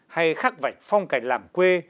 hay khắc vạch phong cảnh làm quê